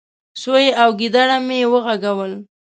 . سوی او ګيدړه مې وغږول،